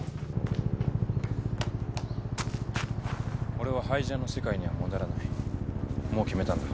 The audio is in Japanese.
・俺はハイジャンの世界には戻らないもう決めたんだ。